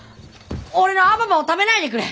俺のアババを食べないでくれ！